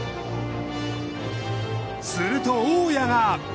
すると大家が。